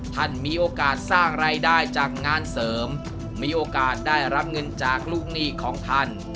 ท่านมีโอกาสสร้างรายได้จากงานเสริมมีโอกาสได้รับเงินจากลูกหนี้ของท่าน